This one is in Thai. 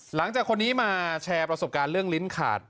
หลังจากคนนี้มาแชร์ประสบการณ์เรื่องลิ้นขาด